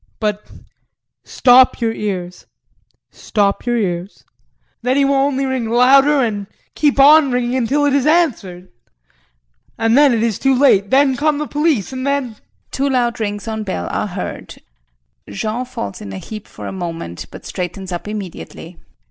But stop your ears, stop your ears. Then he will only ring louder and keep on ringing until it's answered and then it is too late! Then come the police and then [Two loud rings on bell are heard, Jean falls in a heap for a moment, but straightens up immediately.